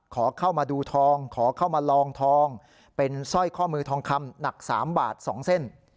ขอเข้ามาดูทองขอเข้ามาลองทองเป็นสร้อยข้อมือทองคำหนัก๓บาท๒เส้น